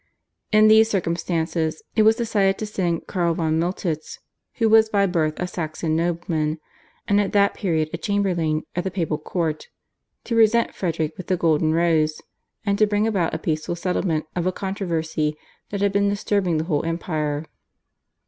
In these circumstances it was decided to send Karl von Miltitz, who was by birth a Saxon nobleman and at that period a chamberlain at the Papal Court, to present Frederick with the Golden Rose, and to bring about a peaceful settlement of a controversy that had been disturbing the whole Empire.